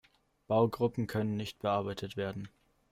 Baugruppen können nicht bearbeitet werden.